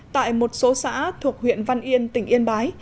tại một số xã thuộc huyện văn yên tỉnh yên bái